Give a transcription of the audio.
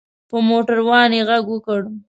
په موټر وان یې غږ وکړ.